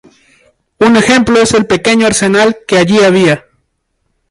Un ejemplo es el pequeño arsenal que allí había.